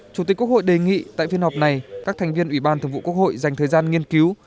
chủ tịch quốc hội đề nghị tại phiên họp này các thành viên ủy ban thường vụ quốc hội dành thời gian nghiên cứu